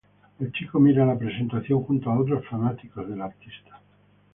El chico mira la presentación junto a otros fanáticos de la artista.